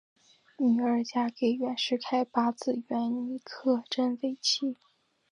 女儿嫁给袁世凯八子袁克轸为妻。